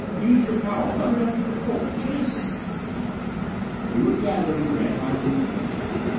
Use your power run it up to the full. Chance it!" We were gathered in Grantline's instrument room.